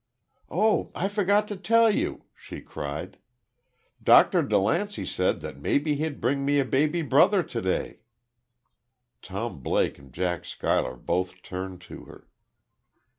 "Oh! I forgot to tell you!" she cried. "Doctor DeLancey said that maybe he'd bring me a baby brother today!" Tom Blake and Jack Schuyler both turned to her.